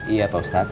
iya pak ustadz